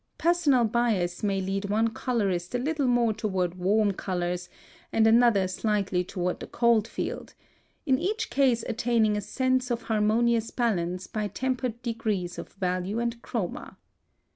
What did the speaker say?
Personal bias may lead one colorist a little more toward warm colors, and another slightly toward the cool field, in each case attaining a sense of harmonious balance by tempered degrees of value and chroma.